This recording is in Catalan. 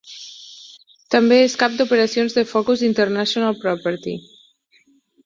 També és cap d'operacions de Focus International Property.